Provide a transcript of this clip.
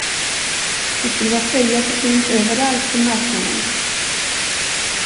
Det skulle vara fejat och fint överallt till marknaden.